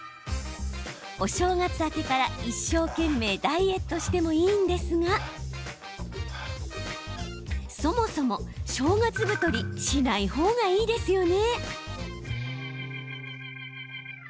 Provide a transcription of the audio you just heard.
お正月明けから一生懸命ダイエットしてもいいんですがそもそも正月太りしない方がいいですよね。